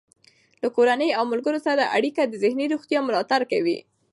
له کورنۍ او ملګرو سره اړیکه د ذهني روغتیا ملاتړ کوي.